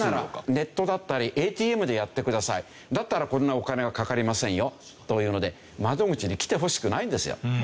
ネットだったりＡＴＭでやってくださいだったらこんなお金はかかりませんよというので窓口に来てほしくないんですよ。